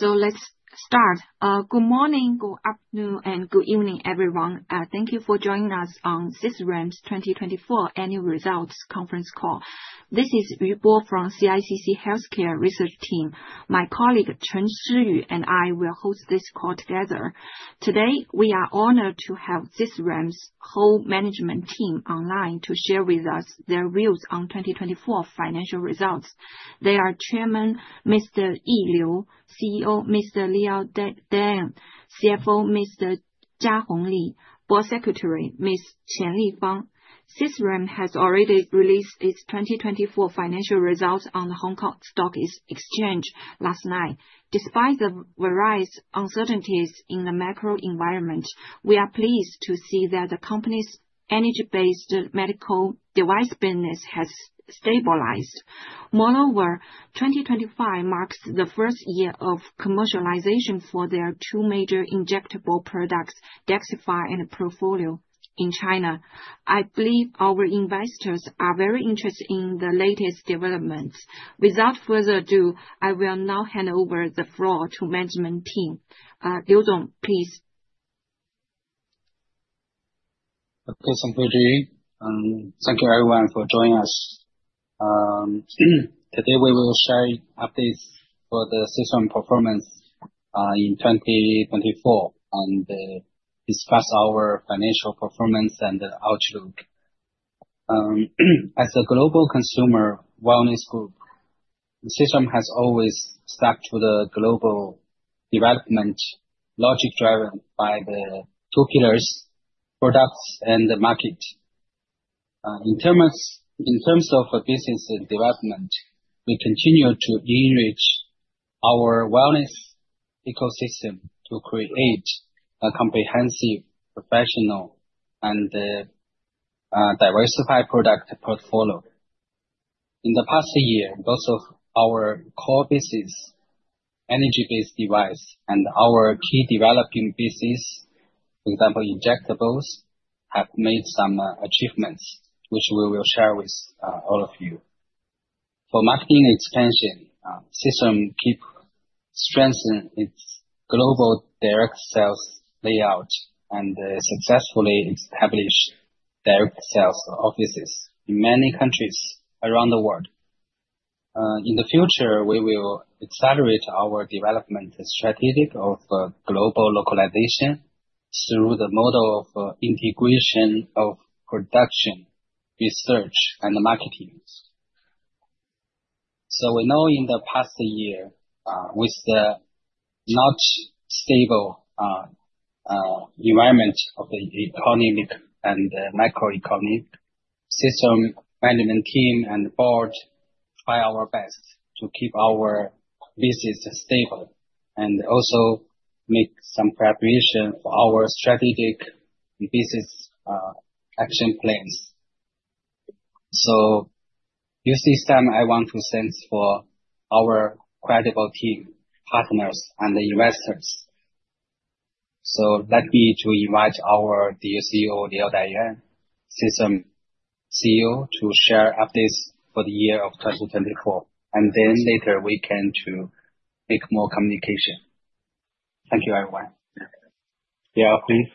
Let's start. Good morning, good afternoon, and good evening, everyone. Thank you for joining us on Sisram's 2024 Annual Results Conference Call. This is Yu Bo from CICC Healthcare Research Team. My colleague, Chen Shiyu, and I will host this call together. Today, we are honored to have Sisram's whole management team online to share with us their views on 2024 financial results. They are Chairman Mr. Yi Liu, CEO Mr. Lior Dayan, CFO Mr. Jiahong Li, and Board Secretary Ms. Qianli Fang. Sisram has already released its 2024 financial results on the Hong Kong Stock Exchange last night. Despite the various uncertainties in the macro environment, we are pleased to see that the company's Energy-Based Medical Device business has stabilized. Moreover, 2025 marks the first year of commercialization for their two major injectable products, DAXXIFY and Profhilo, in China. I believe our investors are very interested in the latest developments. Without further ado, I will now hand over the floor to management team. Yi Liu, please. Okay, thank you, Yu. Thank you, everyone, for joining us. Today, we will share updates for the Sisram performance in 2024 and discuss our financial performance and outlook. As a global consumer wellness group, Sisram has always stuck to the global development logic driven by the two pillars, products and the market. In terms of business development, we continue to enrich our wellness ecosystem to create a comprehensive, professional, and diversified product portfolio. In the past year, both of our core business, Energy-Based Device, and our key developing business, for example, Injectables, have made some achievements, which we will share with all of you. For marketing expansion, Sisram keeps strengthening its global direct sales layout and successfully established direct sales offices in many countries around the world. In the future, we will accelerate our development strategy of global localization through the model of integration of production, research, and marketing. We know in the past year, with the not stable environment of the economic and macroeconomic, Sisram Management Team and Board try our best to keep our business stable and also make some preparation for our strategic business action plans. This time, I want to thank our credible team, partners, and investors. Let me invite our CEO, Lior Dayan, Sisram CEO, to share updates for the year of 2024, and then later we can make more communication. Thank you, everyone. Yeah, please.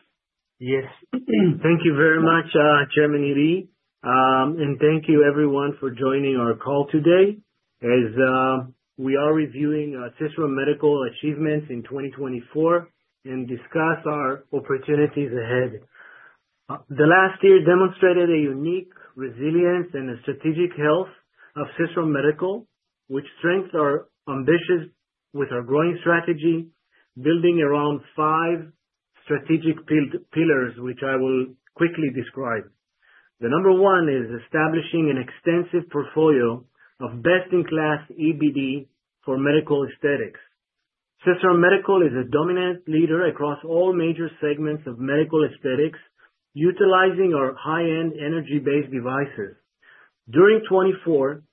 Yes. Thank you very much, Chairman Yi, and thank you, everyone, for joining our call today. As we are reviewing Sisram Medical achievements in 2024 and discuss our opportunities ahead, the last year demonstrated a unique resilience and strategic health of Sisram Medical, which strengthens our ambition with our growing strategy, building around five strategic pillars, which I will quickly describe. The number one is establishing an extensive portfolio of best-in-class EBD for medical aesthetics. Sisram Medical is a dominant leader across all major segments of medical aesthetics, utilizing our high-end Energy-Based Devices. During 2024,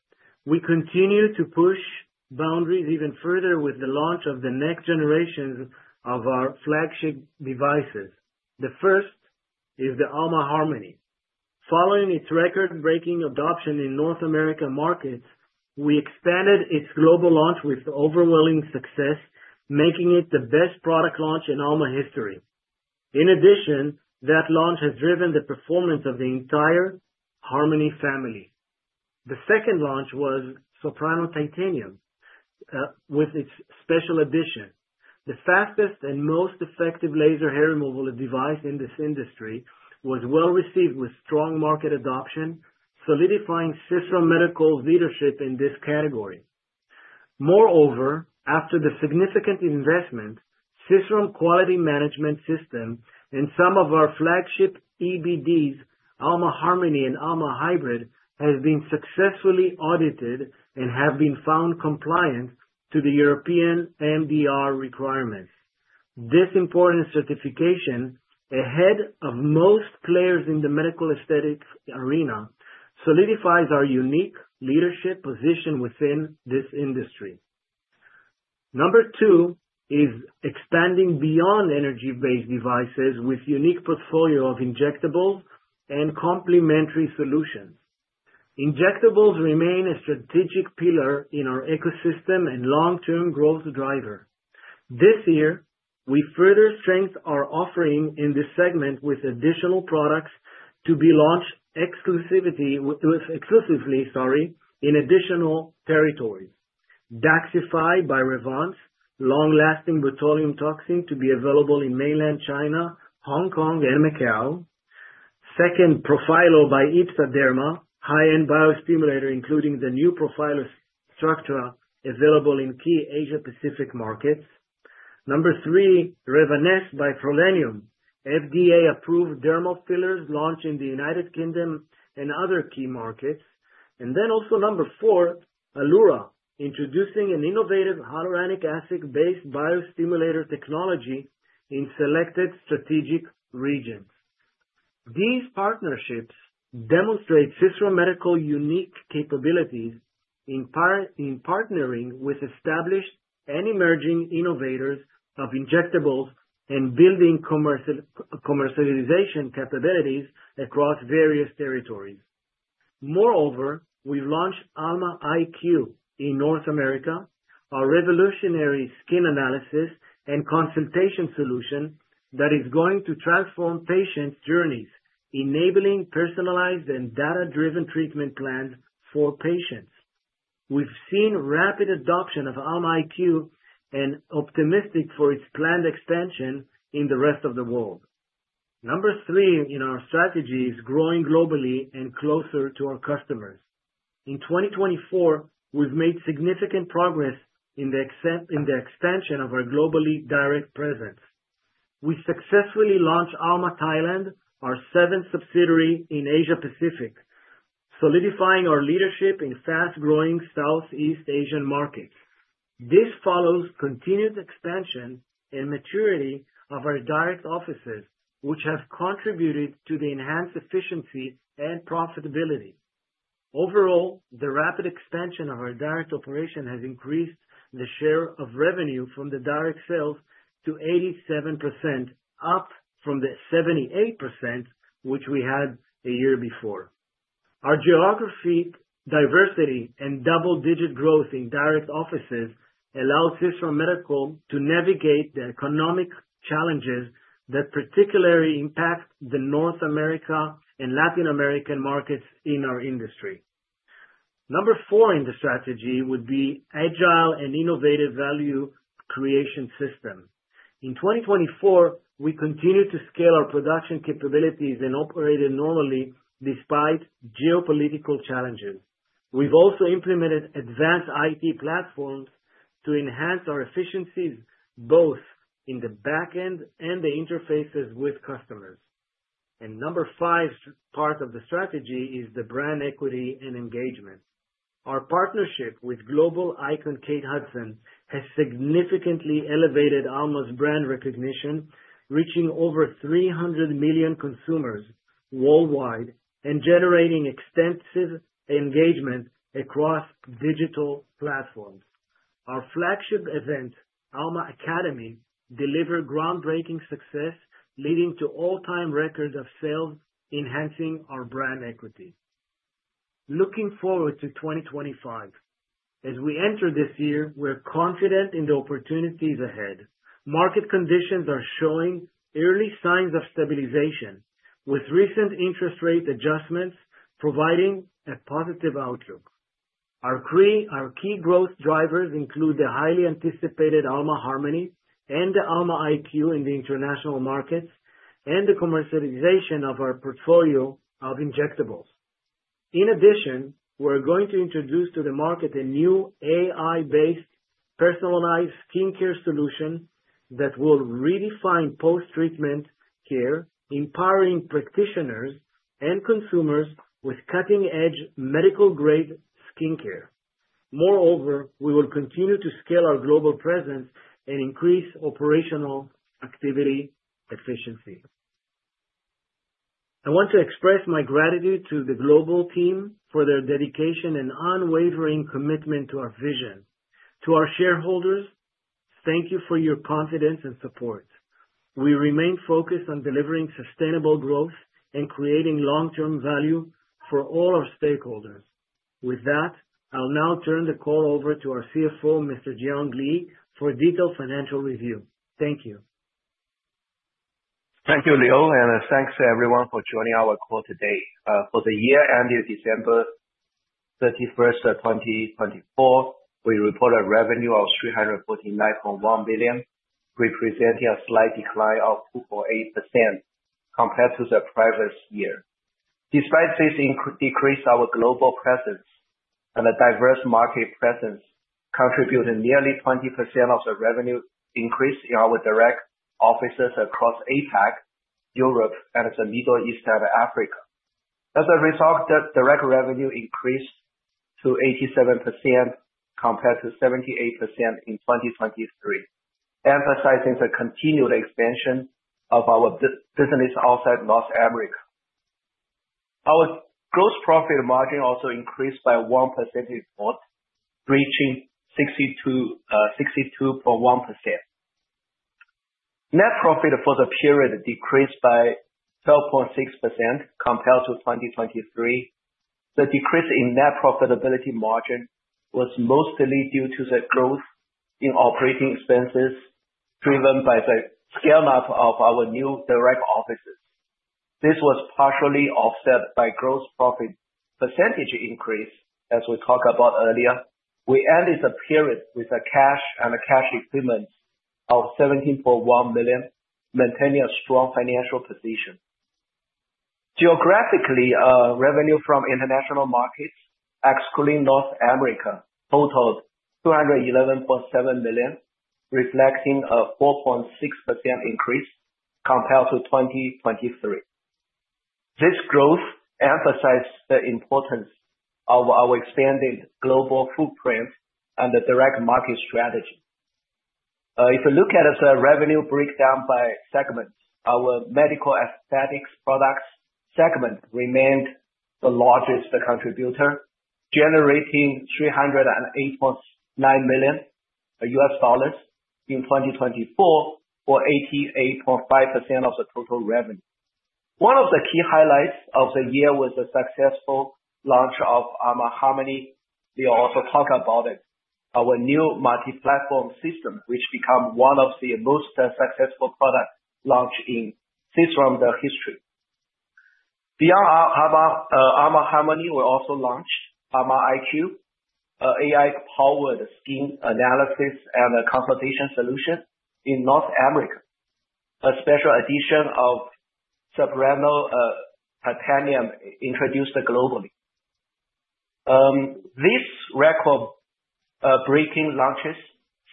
we continue to push boundaries even further with the launch of the next generation of our flagship devices. The first is the Alma Harmony. Following its record-breaking adoption in North America markets, we expanded its global launch with overwhelming success, making it the best product launch in Alma history. In addition, that launch has driven the performance of the entire Harmony family. The second launch was Soprano Titanium with its special edition. The fastest and most effective laser hair removal device in this industry was well received with strong market adoption, solidifying Sisram Medical's leadership in this category. Moreover, after the significant investment, Sisram Quality Management System and some of our flagship EBDs, Alma Harmony and Alma Hybrid, have been successfully audited and have been found compliant to the European MDR requirements. This important certification, ahead of most players in the medical aesthetics arena, solidifies our unique leadership position within this industry. Number two is expanding beyond Energy-Based Devices with a unique portfolio of injectables and complementary solutions. Injectables remain a strategic pillar in our ecosystem and long-term growth driver. This year, we further strengthen our offering in this segment with additional products to be launched exclusively in additional territories: DAXXIFY by Revance, long-lasting botulinum toxin to be available in mainland China, Hong Kong, and Macau. Second, Profhilo by IBSA Derma, high-end biostimulator including the new Profhilo Structura available in key Asia-Pacific markets. Number three, Revanesse by Prollenium, FDA-approved dermal fillers launched in the United Kingdom and other key markets. Then also number four, Hallura introducing an innovative hyaluronic acid-based biostimulator technology in selected strategic regions. These partnerships demonstrate Sisram Medical's unique capabilities in partnering with established and emerging innovators of injectables and building commercialization capabilities across various territories. Moreover, we've launched Alma IQ in North America, a revolutionary skin analysis and consultation solution that is going to transform patients' journeys, enabling personalized and data-driven treatment plans for patients. We've seen rapid adoption of Alma IQ and are optimistic for its planned expansion in the rest of the world. Number three in our strategy is growing globally and closer to our customers. In 2024, we've made significant progress in the expansion of our globally direct presence. We successfully launched Alma Thailand, our seventh subsidiary in Asia-Pacific, solidifying our leadership in fast-growing Southeast Asian markets. This follows continued expansion and maturity of our direct offices, which have contributed to the enhanced efficiency and profitability. Overall, the rapid expansion of our direct operation has increased the share of revenue from the direct sales to 87%, up from the 78% which we had a year before. Our geography, diversity, and double-digit growth in direct offices allow Sisram Medical to navigate the economic challenges that particularly impact the North America and Latin American markets in our industry. Number four in the strategy would be agile and innovative value creation system. In 2024, we continue to scale our production capabilities and operate normally despite geopolitical challenges. We have also implemented advanced IT platforms to enhance our efficiencies both in the backend and the interfaces with customers. Number five part of the strategy is the brand equity and engagement. Our partnership with global icon Kate Hudson has significantly elevated Alma's brand recognition, reaching over 300 million consumers worldwide and generating extensive engagement across digital platforms. Our flagship event, Alma Academy, delivered groundbreaking success, leading to all-time records of sales, enhancing our brand equity. Looking forward to 2025, as we enter this year, we are confident in the opportunities ahead. Market conditions are showing early signs of stabilization, with recent interest rate adjustments providing a positive outlook. Our key growth drivers include the highly anticipated Alma Harmony and the Alma IQ in the international markets and the commercialization of our portfolio of injectables. In addition, we're going to introduce to the market a new AI-based personalized skincare solution that will redefine post-treatment care, empowering practitioners and consumers with cutting-edge medical-grade skincare. Moreover, we will continue to scale our global presence and increase operational activity efficiency. I want to express my gratitude to the global team for their dedication and unwavering commitment to our vision. To our shareholders, thank you for your confidence and support. We remain focused on delivering sustainable growth and creating long-term value for all our stakeholders. With that, I'll now turn the call over to our CFO, Mr. Jiahong Li, for a detailed financial review. Thank you. Thank you, Lior, and thanks everyone for joining our call today. For the year ending December 31st, 2024, we reported a revenue of $349.1 million, representing a slight decline of 2.8% compared to the previous year. Despite this decrease, our global presence and a diverse market presence contributed nearly 20% of the revenue increase in our direct offices across APAC, Europe, and the Middle East and Africa. As a result, direct revenue increased to 87% compared to 78% in 2023, emphasizing the continued expansion of our business outside North America. Our gross profit margin also increased by 1%, reaching 62.1%. Net profit for the period decreased by 12.6% compared to 2023. The decrease in net profitability margin was mostly due to the growth in operating expenses driven by the scale-up of our new direct offices. This was partially offset by gross profit percentage increase. As we talked about earlier, we ended the period with a cash and a cash equivalent of $17.1 million, maintaining a strong financial position. Geographically, revenue from international markets, excluding North America, totaled $211.7 million, reflecting a 4.6% increase compared to 2023. This growth emphasized the importance of our expanded global footprint and the direct market strategy. If you look at the revenue breakdown by segment, our medical aesthetics products segment remained the largest contributor, generating $308.9 million in 2024 for 88.5% of the total revenue. One of the key highlights of the year was the successful launch of Alma Harmony. We also talked about our new multi-platform system, which became one of the most successful products launched in Sisram history. Beyond Alma Harmony, we also launched Alma IQ, an AI-powered skin analysis and consultation solution in North America. A special edition of Soprano Titanium introduced globally. These record-breaking launches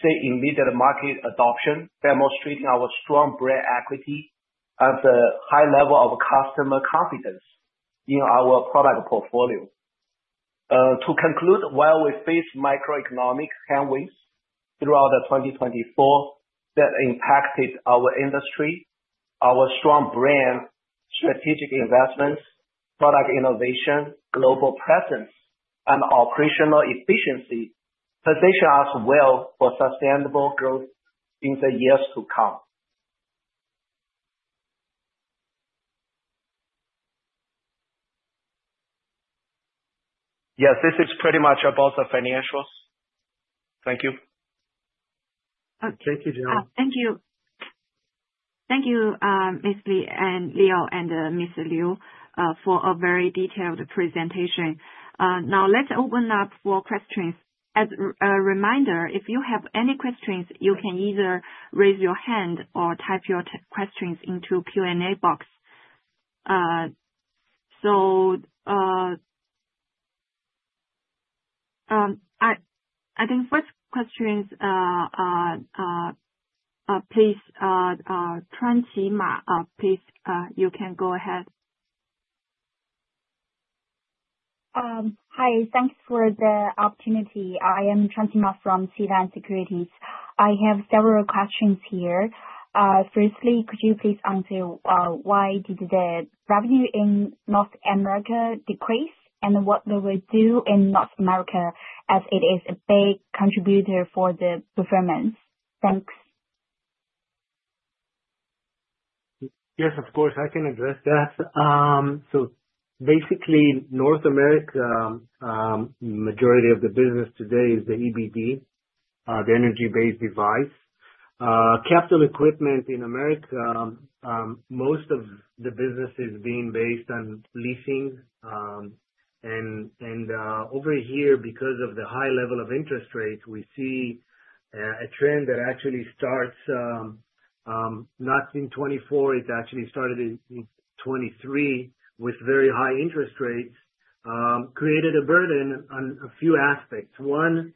saw immediate market adoption, demonstrating our strong brand equity and the high level of customer confidence in our product portfolio. To conclude, while we faced microeconomic headwinds throughout 2024 that impacted our industry, our strong brand, strategic investments, product innovation, global presence, and operational efficiency positioned us well for sustainable growth in the years to come. Yes, this is pretty much about the financials. Thank you. Thank you, Jiahong. Thank you. Thank you, Mr. Li, and Lior and Mr. Liu, for a very detailed presentation. Now, let's open up for questions. As a reminder, if you have any questions, you can either raise your hand or type your questions into the Q&A box. I think first question, please, Tran Chim Ma, please, you can go ahead. Hi, thanks for the opportunity. I am Tran Chim Ma from Sealand Securities. I have several questions here. Firstly, could you please answer why did the revenue in North America decrease and what we will do in North America as it is a big contributor for the performance? Thanks. Yes, of course. I can address that. Basically, North America, the majority of the business today is the EBD, the Energy-Based Device. Capital equipment in America, most of the business is being based on leasing. Over here, because of the high level of interest rates, we see a trend that actually starts not in 2024. It actually started in 2023 with very high interest rates, created a burden on a few aspects. One,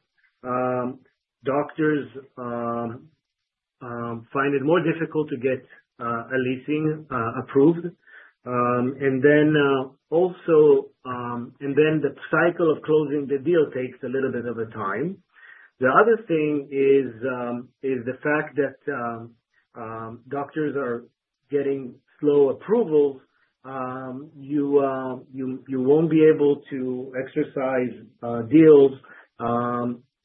doctors find it more difficult to get a leasing approved. The cycle of closing the deal takes a little bit of time. The other thing is the fact that doctors are getting slow approvals. You will not be able to exercise deals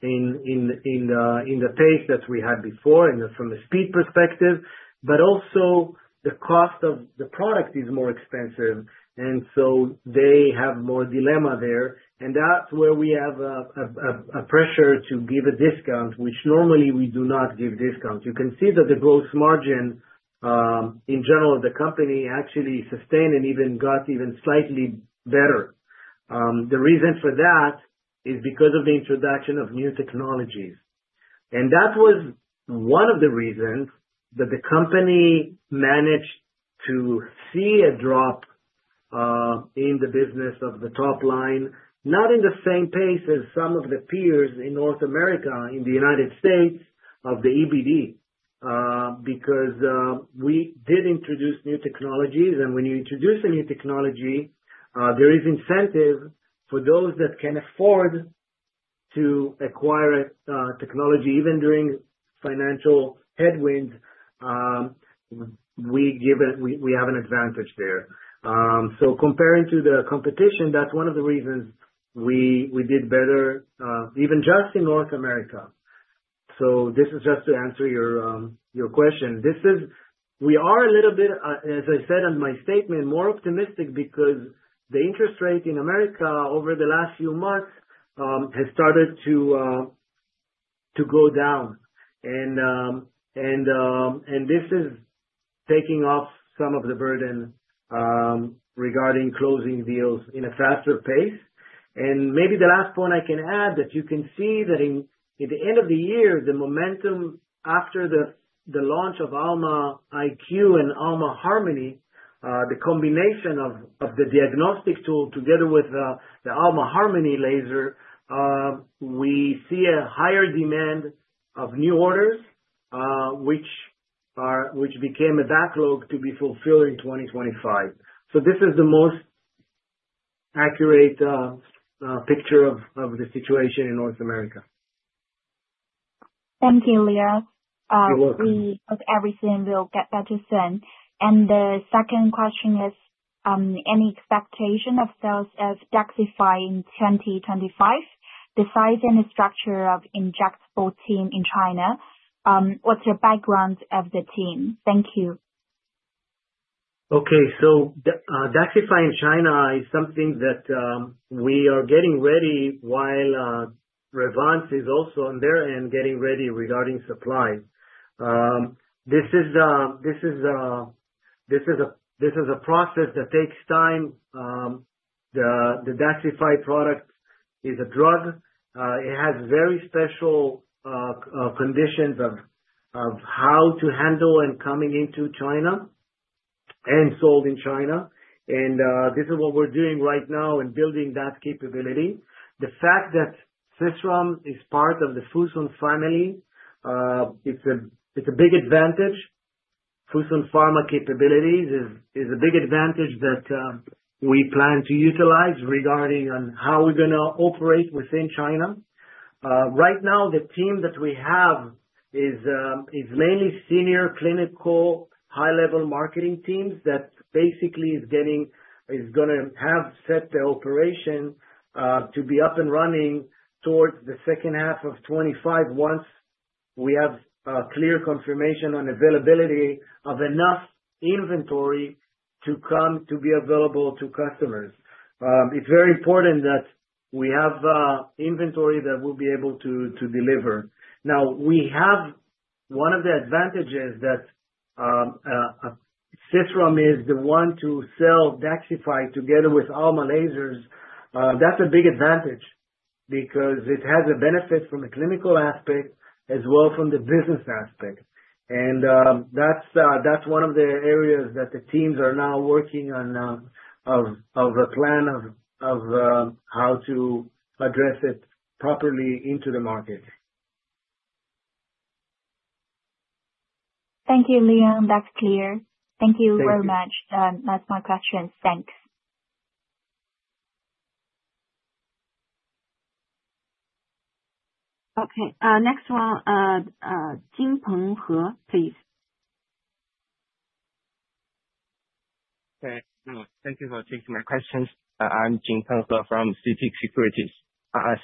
in the pace that we had before from the speed perspective. Also, the cost of the product is more expensive. They have more dilemma there. That's where we have a pressure to give a discount, which normally we do not give discounts. You can see that the gross margin in general of the company actually sustained and even got even slightly better. The reason for that is because of the introduction of new technologies. That was one of the reasons that the company managed to see a drop in the business of the top line, not in the same pace as some of the peers in North America in the United States of the EBD, because we did introduce new technologies. When you introduce a new technology, there is incentive for those that can afford to acquire technology. Even during financial headwinds, we have an advantage there. Comparing to the competition, that's one of the reasons we did better, even just in North America. This is just to answer your question. We are a little bit, as I said in my statement, more optimistic because the interest rate in America over the last few months has started to go down. This is taking off some of the burden regarding closing deals in a faster pace. Maybe the last point I can add is that you can see that at the end of the year, the momentum after the launch of Alma IQ and Alma Harmony, the combination of the diagnostic tool together with the Alma Harmony laser, we see a higher demand of new orders, which became a backlog to be fulfilled in 2025. This is the most accurate picture of the situation in North America. Thank you, Lior. You're welcome. We hope everything will get better soon. The second question is, any expectation of sales of DAXXIFY in 2025 besides any structure of Injectables in China? What's your background of the team? Thank you. Okay. DAXXIFY in China is something that we are getting ready while Revance is also on their end getting ready regarding supply. This is a process that takes time. The DAXXIFY product is a drug. It has very special conditions of how to handle and coming into China and sold in China. This is what we're doing right now in building that capability. The fact that Sisram is part of the Fosun family, it's a big advantage. Fosun Pharma capabilities is a big advantage that we plan to utilize regarding on how we're going to operate within China. Right now, the team that we have is mainly senior clinical high-level marketing teams that basically is going to have set the operation to be up and running towards the second half of 2025 once we have clear confirmation on availability of enough inventory to come to be available to customers. It's very important that we have inventory that we'll be able to deliver. Now, we have one of the advantages that Sisram is the one to sell DAXXIFY together with Alma Lasers. That's a big advantage because it has a benefit from a clinical aspect as well from the business aspect. That is one of the areas that the teams are now working on of a plan of how to address it properly into the market. Thank you, Lior. That's clear. Thank you very much. That's my question. Thanks. Okay. Next one, Jinpeng He, please. Thank you for taking my questions. I'm Jinpeng He from CITIC Securities. I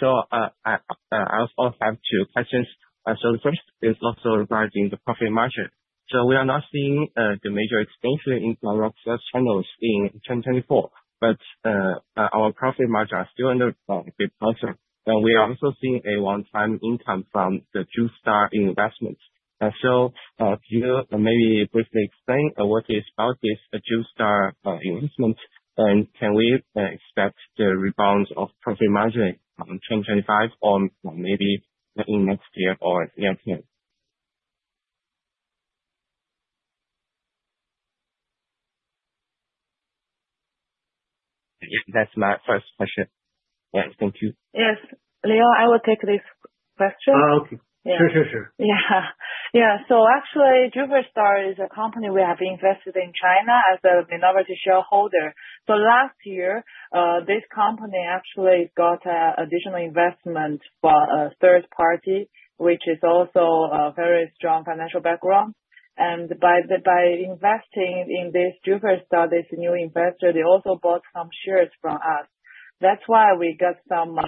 also have two questions. The first is also regarding the profit margin. We are not seeing the major expansion in our sales channels in 2024, but our profit margin are still under a bit lesser. We are also seeing a one-time income from the Justar Investment. Can you maybe briefly explain what is about this Justar Investment, and can we expect the rebound of profit margin in 2025 or maybe in next year or near term? Yeah, that's my first question. Yes, thank you. Yes. Lior, I will take this question. Oh, okay. Sure, sure, sure. Yeah. Yeah. Actually, Justar is a company we have invested in China as a minority shareholder. Last year, this company actually got additional investment from a third party, which is also a very strong financial background. By investing in this Justar, this new investor, they also bought some shares from us. That's why we got some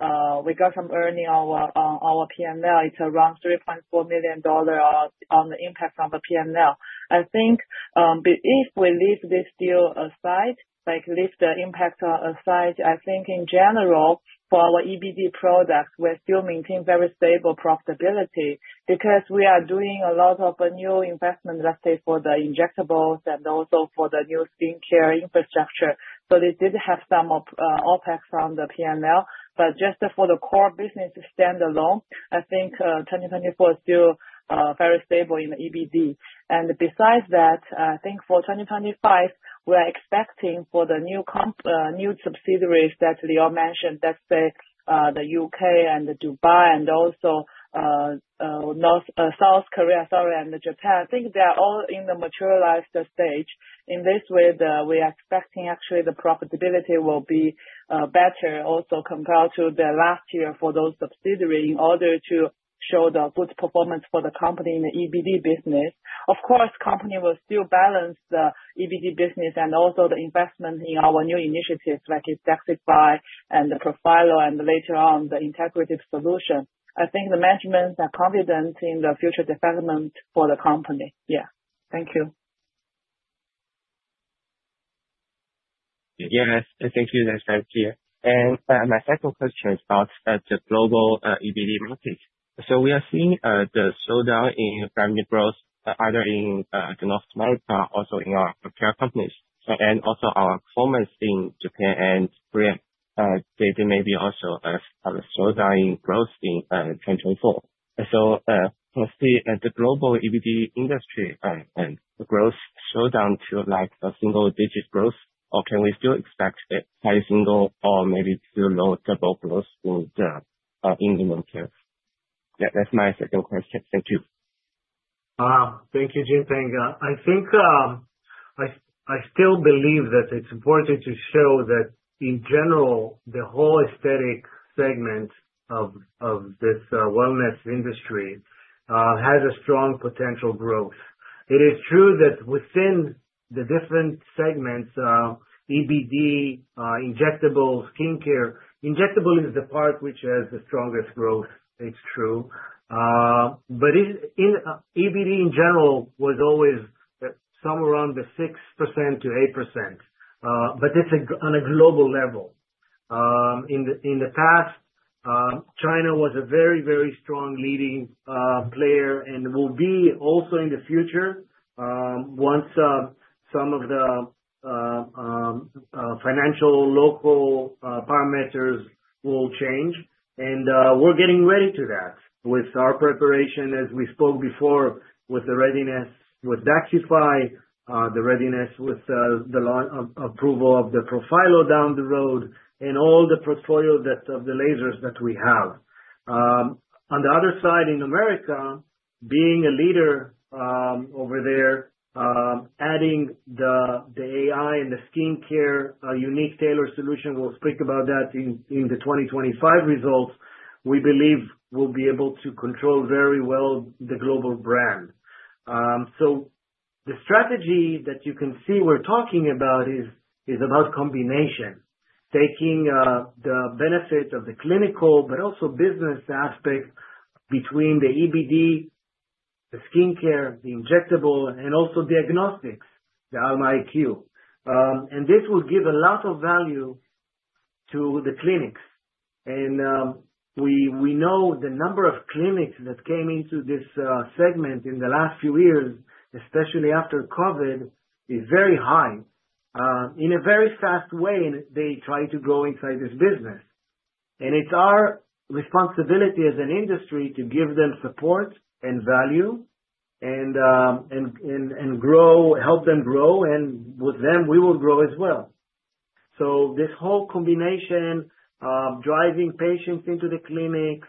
earning on our P&L. It's around $3.4 million on the impact of a P&L. I think if we leave this deal aside, like leave the impact aside, I think in general for our EBD products, we still maintain very stable profitability because we are doing a lot of new investment, let's say, for the injectables and also for the new skincare infrastructure. They did have some OpEx on the P&L, but just for the core business standalone, I think 2024 is still very stable in the EBD. Besides that, I think for 2025, we are expecting for the new subsidiaries that Lior mentioned, let's say, the U.K. and Dubai and also South Korea, sorry, and Japan. I think they are all in the materialized stage. In this way, we are expecting actually the profitability will be better also compared to the last year for those subsidiaries in order to show the good performance for the company in the EBD business. Of course, the company will still balance the EBD business and also the investment in our new initiatives like DAXXIFY and the Profhilo and later on the Integrative Solution. I think the management are confident in the future development for the company. Yeah. Thank you. Yes. Thank you, that's very clear. My second question is about the global EBD market. We are seeing the slowdown in revenue growth either in North America, also in our prepared companies, and also our performance in Japan and Korea. There may be also a slowdown in growth in 2024. Can we see the global EBD industry and the growth slowdown to like a single-digit growth, or can we still expect a high single or maybe still low double growth in the long term? That's my second question. Thank you. Thank you, Jinpeng. I think I still believe that it's important to show that in general, the whole aesthetic segment of this wellness industry has a strong potential growth. It is true that within the different segments, EBD, injectables, skincare, injectable is the part which has the strongest growth. It's true. EBD in general was always somewhere around the 6%-8%, but it's on a global level. In the past, China was a very, very strong leading player and will be also in the future once some of the financial local parameters will change. We are getting ready to that with our preparation, as we spoke before, with the readiness with DAXXIFY, the readiness with the approval of the Profhilo down the road, and all the portfolio of the lasers that we have. On the other side, in America, being a leader over there, adding the AI and the skincare, a unique tailor solution, we'll speak about that in the 2025 results, we believe we'll be able to control very well the global brand. The strategy that you can see we're talking about is about combination, taking the benefit of the clinical but also business aspect between the EBD, the skincare, the injectable, and also diagnostics, the Alma IQ. This will give a lot of value to the clinics. We know the number of clinics that came into this segment in the last few years, especially after COVID, is very high. In a very fast way, they try to grow inside this business. It is our responsibility as an industry to give them support and value and help them grow. With them, we will grow as well. This whole combination, driving patients into the clinics,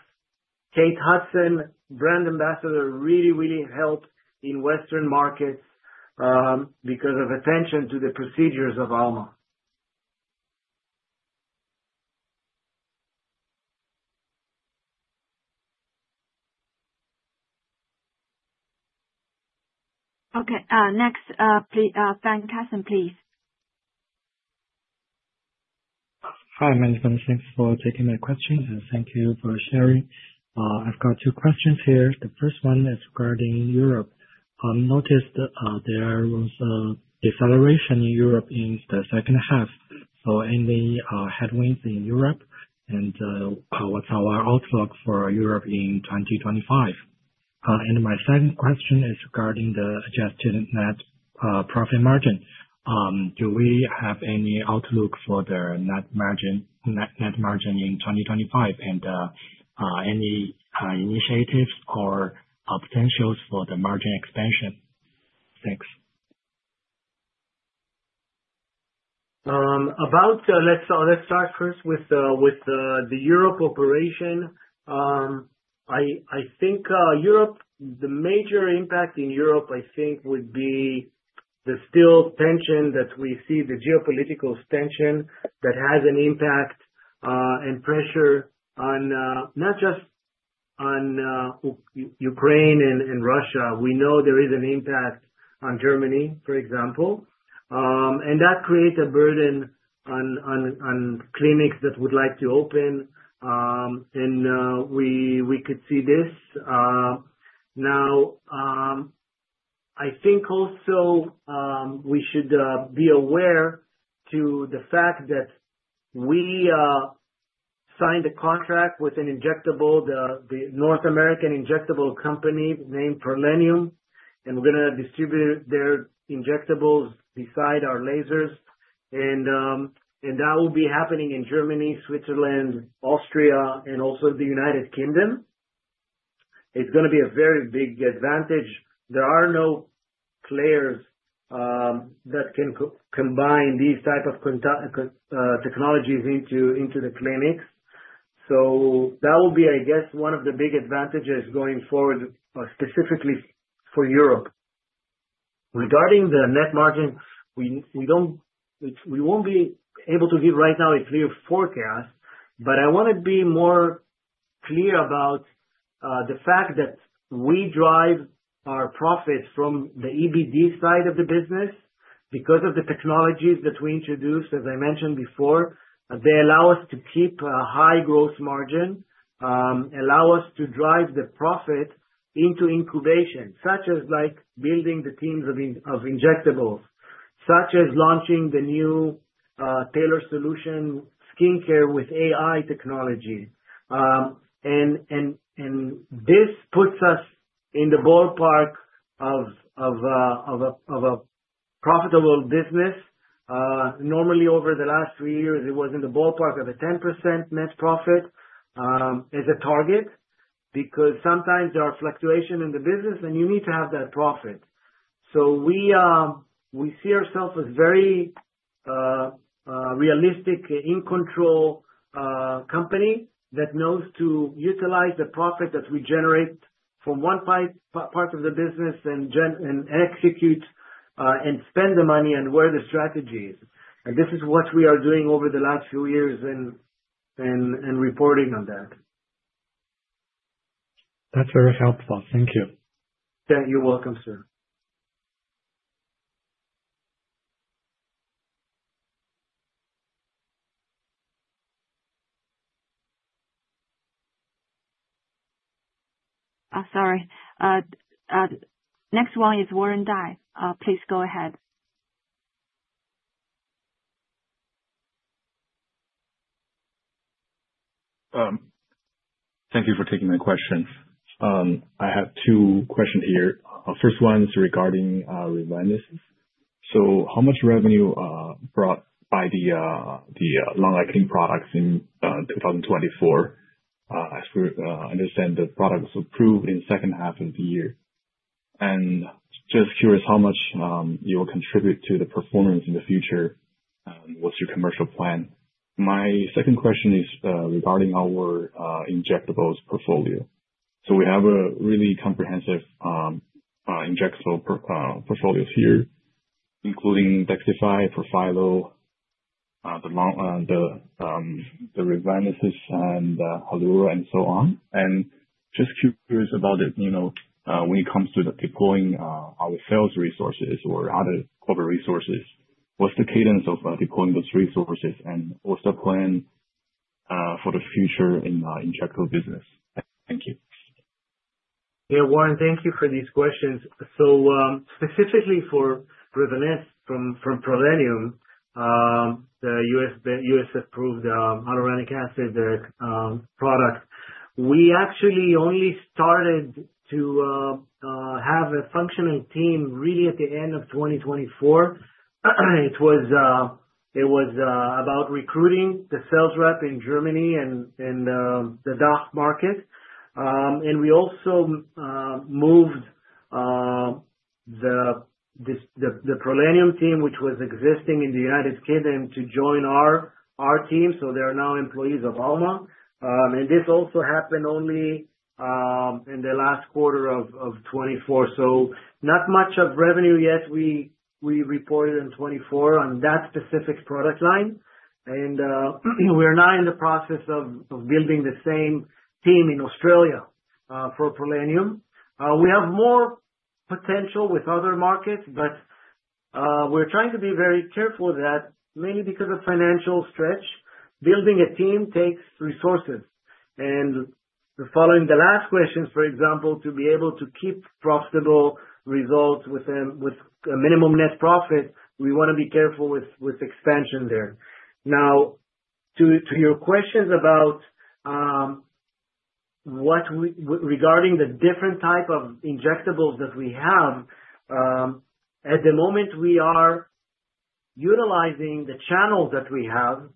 Kate Hudson, brand ambassador, really, really helped in Western markets because of attention to the procedures of Alma. Okay. Next, Fan Casim, please. Hi, Management. Thanks for taking my question. Thank you for sharing. I've got two questions here. The first one is regarding Europe. I noticed there was a deceleration in Europe in the second half. Any headwinds in Europe? What's our outlook for Europe in 2025? My second question is regarding the adjusted net profit margin. Do we have any outlook for the net margin in 2025? Any initiatives or potentials for the margin expansion? Thanks. Let's start first with the Europe operation. I think the major impact in Europe, I think, would be the still tension that we see, the geopolitical tension that has an impact and pressure on not just Ukraine and Russia. We know there is an impact on Germany, for example. That creates a burden on clinics that would like to open. We could see this. I think also we should be aware of the fact that we signed a contract with an injectable, the North American injectable company named Prollenium, and we're going to distribute their injectables beside our lasers. That will be happening in Germany, Switzerland, Austria, and also the United Kingdom. It's going to be a very big advantage. There are no players that can combine these types of technologies into the clinics. That will be, I guess, one of the big advantages going forward specifically for Europe. Regarding the net margin, we won't be able to give right now a clear forecast, but I want to be more clear about the fact that we drive our profits from the EBD side of the business because of the technologies that we introduced, as I mentioned before. They allow us to keep a high growth margin, allow us to drive the profit into incubation, such as building the teams of injectables, such as launching the new tailor solution skincare with AI technology. This puts us in the ballpark of a profitable business. Normally, over the last three years, it was in the ballpark of a 10% net profit as a target because sometimes there are fluctuations in the business, and you need to have that profit. We see ourselves as a very realistic, in-control company that knows to utilize the profit that we generate from one part of the business and execute and spend the money where the strategy is. This is what we are doing over the last few years and reporting on that. That's very helpful. Thank you. Yeah, you're welcome, sir. Sorry. Next one is Warren Dai. Please go ahead. Thank you for taking my question. I have two questions here. First one is regarding revenues. How much revenue brought by the long-acting products in 2024? As we understand, the product was approved in the second half of the year. Just curious how much you will contribute to the performance in the future and what's your commercial plan? My second question is regarding our injectables portfolio. We have a really comprehensive injectable portfolio here, including DAXXIFY, Profhilo, the Revanesse, and Hallura, and so on. Just curious about when it comes to deploying our sales resources or other corporate resources, what's the cadence of deploying those resources, and what's the plan for the future in the injectable business? Thank you. Yeah, Warren, thank you for these questions. Specifically for revenues from Prollenium, the U.S.-approved hyaluronic acid product, we actually only started to have a functional team really at the end of 2024. It was about recruiting the sales rep in Germany and the DACH market. We also moved the Prollenium team, which was existing in the United Kingdom, to join our team. They are now employees of Alma. This also happened only in the last quarter of 2024. Not much of revenue yet we reported in 2024 on that specific product line. We are now in the process of building the same team in Australia for Prollenium. We have more potential with other markets, but we're trying to be very careful of that, mainly because of financial stretch. Building a team takes resources. Following the last question, for example, to be able to keep profitable results with a minimum net profit, we want to be careful with expansion there. Now, to your questions about regarding the different types of injectables that we have, at the moment, we are utilizing the channels that we have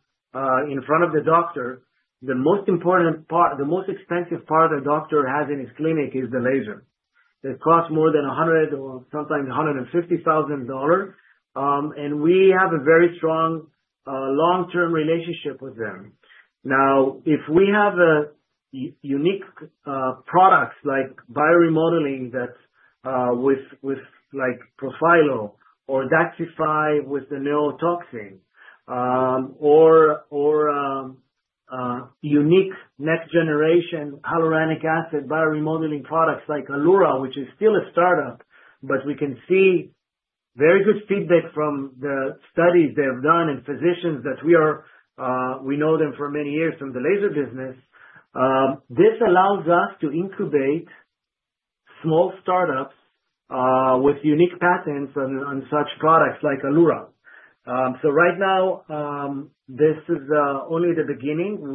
in front of the doctor. The most important part, the most expensive part the doctor has in his clinic is the laser. It costs more than $100,000 or sometimes $150,000. We have a very strong long-term relationship with them. Now, if we have unique products like bioremodeling with Profhilo or DAXXIFY with the neurotoxin or unique next-generation hyaluronic acid bioremodeling products like Hallura, which is still a startup, but we can see very good feedback from the studies they have done and physicians that we know them for many years from the laser business, this allows us to incubate small startups with unique patents on such products like Hallura. Right now, this is only the beginning.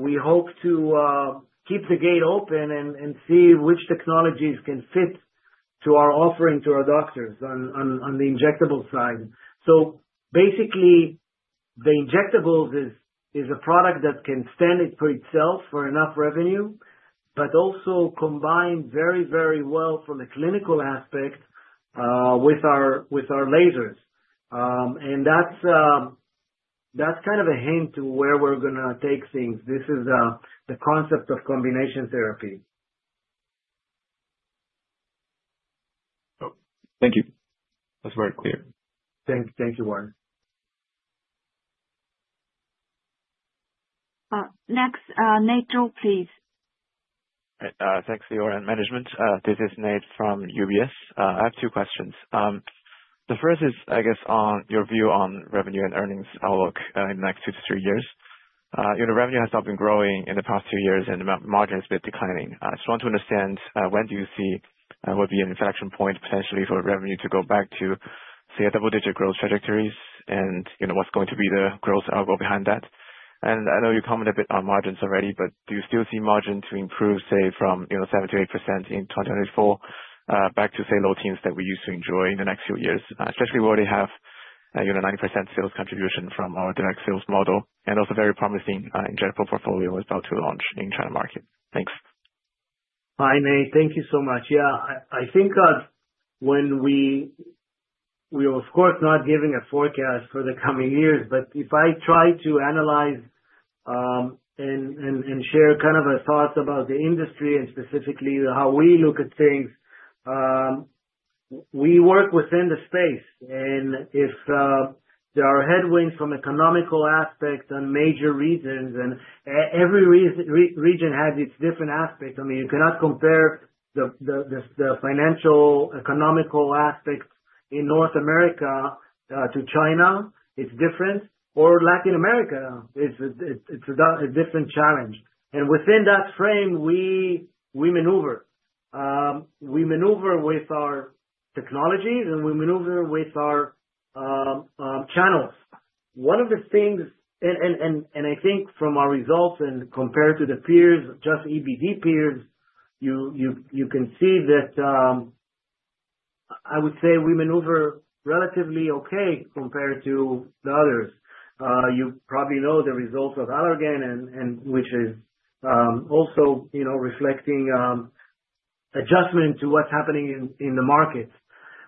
We hope to keep the gate open and see which technologies can fit to our offering to our doctors on the injectable side. Basically, the injectables is a product that can stand for itself for enough revenue, but also combine very, very well from the clinical aspect with our lasers. That's kind of a hint to where we're going to take things. This is the concept of combination therapy. Thank you. That's very clear. Thank you, Warren. Next, Nate Zhou, please. Thanks for your management. This is Nate from UBS. I have two questions. The first is, I guess, on your view on revenue and earnings outlook in the next two to three years. The revenue has not been growing in the past two years, and the margin has been declining. I just want to understand when do you see there would be an inflection point potentially for revenue to go back to, say, a double-digit growth trajectory, and what's going to be the growth outlook behind that? I know you commented a bit on margins already, but do you still see margin to improve, say, from 7-8% in 2024 back to, say, low teens that we used to enjoy in the next few years, especially where they have a 90% sales contribution from our direct sales model and also very promising injectable portfolio about to launch in China market? Thanks. Hi, Nate. Thank you so much. Yeah, I think when we are, of course, not giving a forecast for the coming years, but if I try to analyze and share kind of thoughts about the industry and specifically how we look at things, we work within the space. If there are headwinds from economical aspects and major reasons, and every region has its different aspects, I mean, you cannot compare the financial economical aspects in North America to China. It's different. Or Latin America, it's a different challenge. Within that frame, we maneuver. We maneuver with our technologies, and we maneuver with our channels. One of the things, and I think from our results and compared to the peers, just EBD peers, you can see that I would say we maneuver relatively okay compared to the others. You probably know the results of Allergan, which is also reflecting adjustment to what's happening in the markets.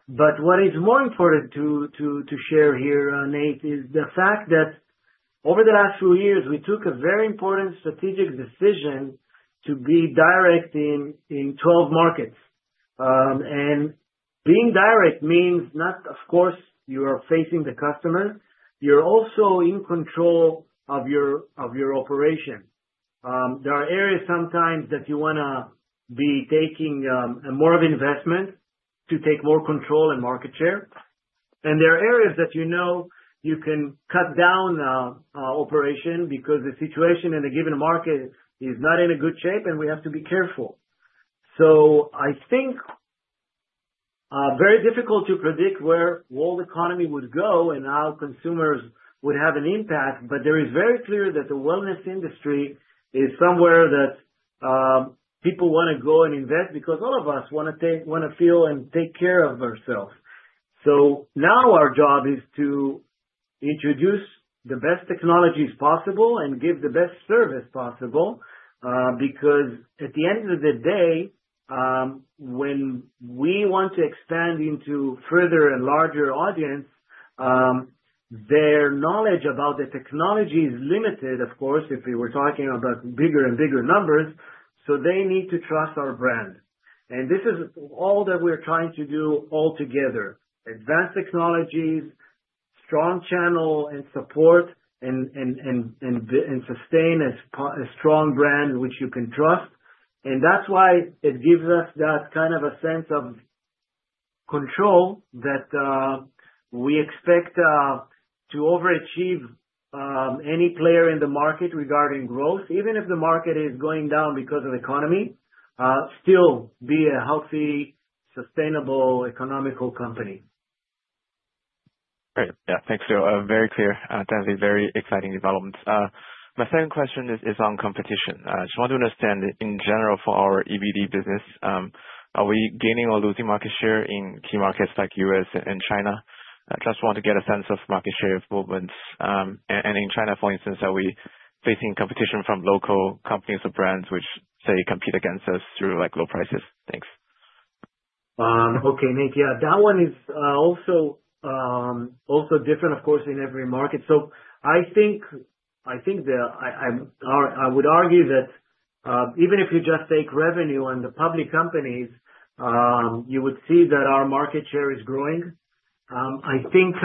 What is more important to share here, Nate, is the fact that over the last few years, we took a very important strategic decision to be direct in 12 markets. Being direct means not, of course, you are facing the customer. You're also in control of your operation. There are areas sometimes that you want to be taking more of an investment to take more control and market share. There are areas that you know you can cut down operation because the situation in a given market is not in a good shape, and we have to be careful. think it is very difficult to predict where the world economy would go and how consumers would have an impact, but it is very clear that the wellness industry is somewhere that people want to go and invest because all of us want to feel and take care of ourselves. Now our job is to introduce the best technologies possible and give the best service possible because at the end of the day, when we want to expand into further and larger audience, their knowledge about the technology is limited, of course, if we were talking about bigger and bigger numbers. They need to trust our brand. This is all that we are trying to do all together: advanced technologies, strong channel and support, and sustain a strong brand which you can trust. That is why it gives us that kind of a sense of control that we expect to overachieve any player in the market regarding growth, even if the market is going down because of the economy, still be a healthy, sustainable economical company. Great. Yeah, thanks, Lior. Very clear. Definitely very exciting developments. My second question is on competition. I just want to understand in general for our EBD business, are we gaining or losing market share in key markets like the U.S. and China? I just want to get a sense of market share movements. In China, for instance, are we facing competition from local companies or brands which, say, compete against us through low prices? Thanks. Okay, Nate. Yeah, that one is also different, of course, in every market. I think I would argue that even if you just take revenue and the public companies, you would see that our market share is growing. I think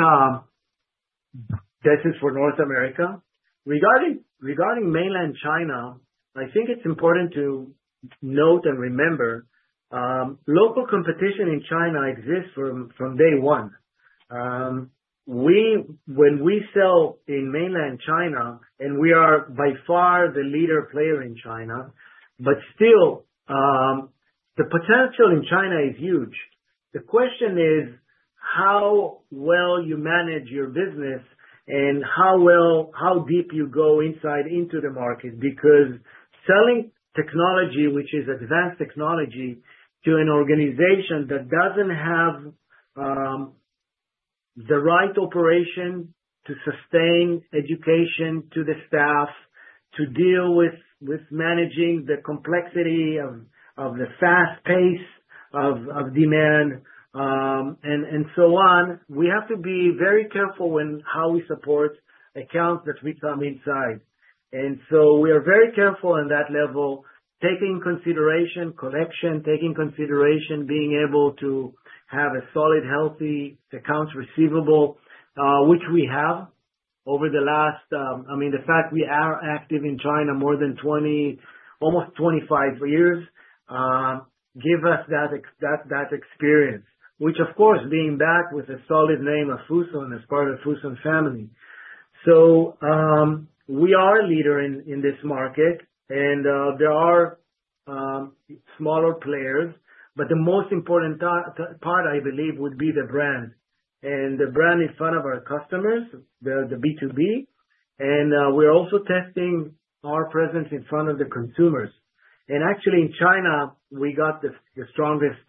this is for North America. Regarding mainland China, I think it's important to note and remember local competition in China exists from day one. When we sell in mainland China, and we are by far the leader player in China, but still, the potential in China is huge. The question is how well you manage your business and how deep you go inside into the market because selling technology, which is advanced technology, to an organization that doesn't have the right operation to sustain education to the staff, to deal with managing the complexity of the fast pace of demand, and so on, we have to be very careful in how we support accounts that we come inside. We are very careful on that level, taking consideration collection, taking consideration being able to have a solid, healthy accounts receivable, which we have over the last, I mean, the fact we are active in China more than 20, almost 25 years, gives us that experience, which, of course, being back with a solid name of Fosun as part of the Fosun family. We are a leader in this market, and there are smaller players, but the most important part, I believe, would be the brand. The brand in front of our customers, the B2B, and we're also testing our presence in front of the consumers. Actually, in China, we got the strongest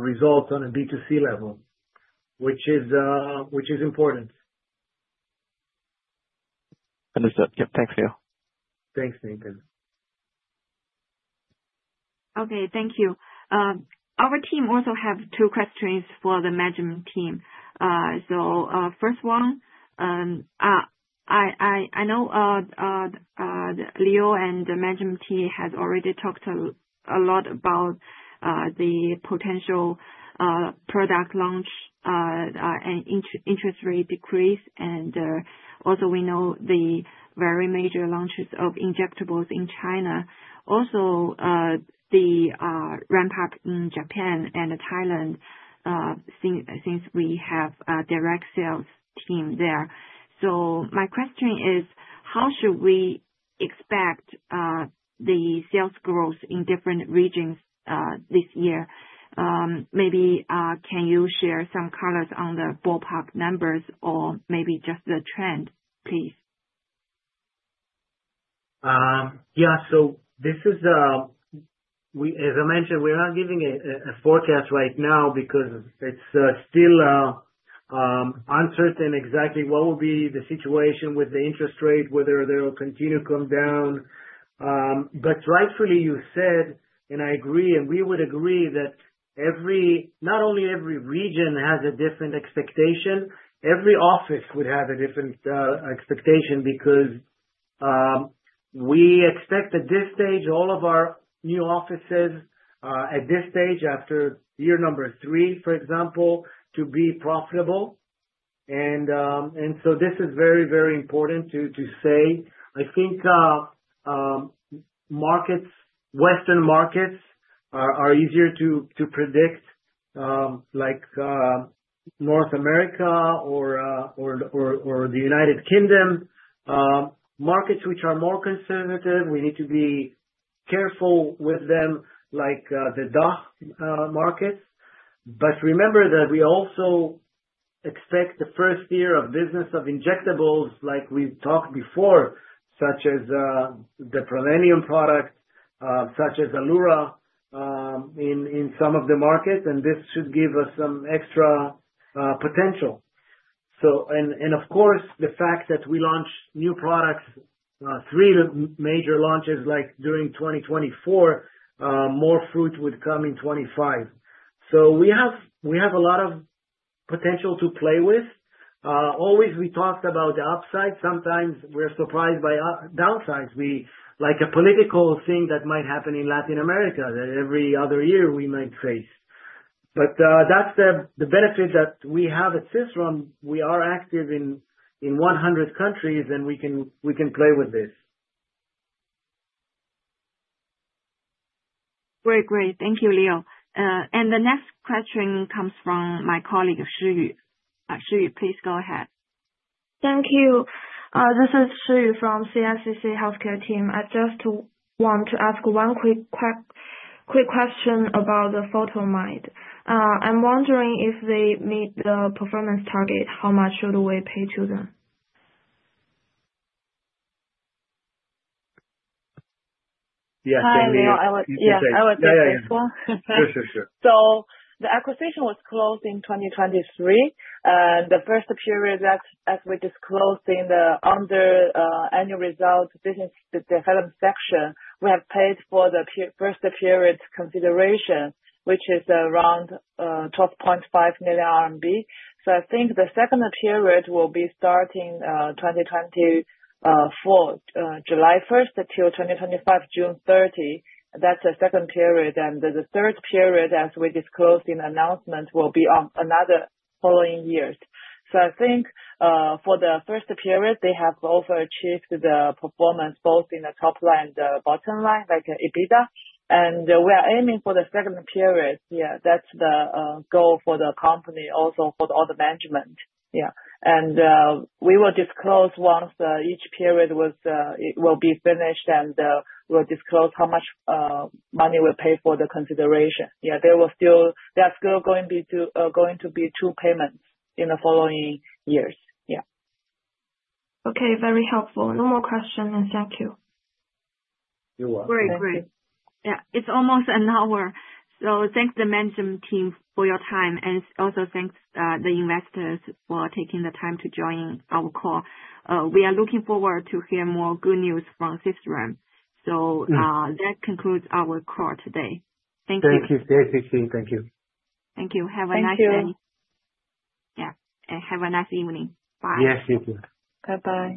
results on a B2C level, which is important. Understood. Yep. Thanks, Lior. Thanks, Nate. Okay. Thank you. Our team also has two questions for the management team. First, I know Lior and the management team have already talked a lot about the potential product launch and interest rate decrease. Also, we know the very major launches of injectables in China. Also, the ramp-up in Japan and Thailand since we have a direct sales team there. My question is, how should we expect the sales growth in different regions this year? Maybe can you share some colors on the ballpark numbers or maybe just the trend, please? Yeah. As I mentioned, we're not giving a forecast right now because it's still uncertain exactly what will be the situation with the interest rate, whether they'll continue to come down. Rightfully, you said, and I agree, and we would agree that not only every region has a different expectation, every office would have a different expectation because we expect at this stage all of our new offices at this stage after year number three, for example, to be profitable. This is very, very important to say. I think markets, Western markets, are easier to predict, like North America or the United Kingdom. Markets which are more conservative, we need to be careful with them, like the DACH markets. Remember that we also expect the first year of business of injectables, like we've talked before, such as the Prollenium product, such as Hallura in some of the markets, and this should give us some extra potential. Of course, the fact that we launch new products, three major launches during 2024, more fruit would come in 2025. We have a lot of potential to play with. Always we talked about the upsides. Sometimes we're surprised by downsides, like a political thing that might happen in Latin America that every other year we might face. That's the benefit that we have at Sisram. We are active in 100 countries, and we can play with this. Very great. Thank you, Lior. The next question comes from my colleague, Shiyu. Shiyu, please go ahead. Thank you. This is Shiyu from CICC Healthcare Team. I just want to ask one quick question about the PhotonMed. I'm wondering if they meet the performance target, how much should we pay to them? Yes, Qianli, you say. Hi, Lior. I was just asking. Yeah, yeah. The acquisition was closed in 2023. In the first period, as we disclosed in the annual results business development section, we have paid for the first period consideration, which is around 12.5 million RMB. I think the second period will be starting 2024, July 1st till 2025, June 30. That is the second period. The third period, as we disclosed in the announcement, will be another following year. I think for the first period, they have also achieved the performance both in the top line and the bottom line, like EBITDA. We are aiming for the second period. That is the goal for the company also, for all the management. We will disclose once each period is finished, and we will disclose how much money we pay for the consideration. Yeah, there are still going to be two payments in the following years. Yeah. Okay. Very helpful. No more questions. Thank you. You're welcome. Very great. Yeah. It's almost an hour. Thanks, the management team, for your time. Thanks to the investors for taking the time to join our call. We are looking forward to hearing more good news from Sisram. That concludes our call today. Thank you. Thank you. Stay safe. Thank you. Thank you. Have a nice day. Thank you. Yeah. Have a nice evening. Bye. Yes, you too. Bye-bye.